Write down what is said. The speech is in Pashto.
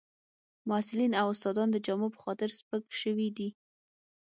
محصلین او استادان د جامو په خاطر سپک شوي دي